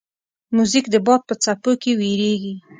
موزیک د باد په څپو کې ویریږي.